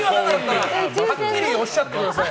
はっきりおっしゃってください。